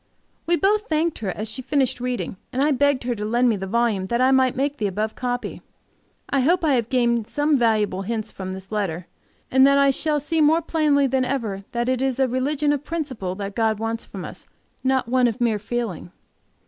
We both thanked her as she finished reading, and I begged her to lend me the volume that I might make the above copy. I hope I have gained some valuable hints from this letter, and that I shall see more plainly than ever that it is a religion of principle that God wants from us, not one of mere feeling.